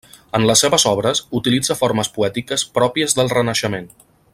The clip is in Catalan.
En les seves obres, utilitza formes poètiques pròpies del Renaixement.